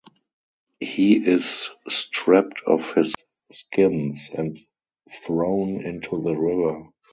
He is stripped of his skins and thrown into the river.